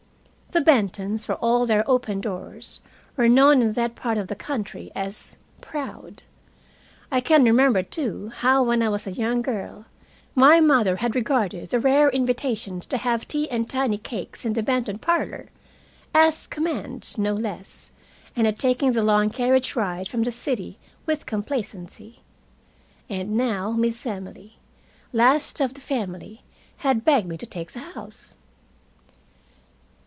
The Bentons, for all their open doors, were known in that part of the country as "proud." I can remember, too, how when I was a young girl my mother had regarded the rare invitations to have tea and tiny cakes in the Benton parlor as commands, no less, and had taken the long carriage ride from the city with complacency. And now Miss Emily, last of the family, had begged me to take the house.